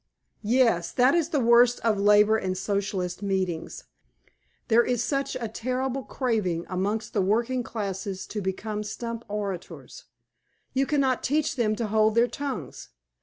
"Yes. That is the worst of Labor and Socialist meetings. There is such a terrible craving amongst the working classes to become stump orators. You cannot teach them to hold their tongues.